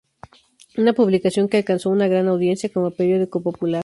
Una publicación que alcanzó una gran audiencia como periódico popular.